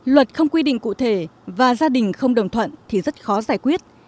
luật không quy định cụ thể và gia đình không đồng thuận thì rất khó giải quyết